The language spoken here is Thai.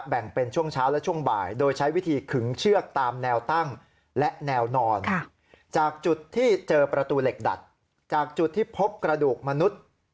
แบ่งเป็นช่วงเช้าและช่วงบ่ายโดยใช้วิธีขึงเชือกตามแนวตั้งและแนวนอนจากจุดที่เจอประตูเหล็กดัดจากจุดที่พบกระดูกมนุษย์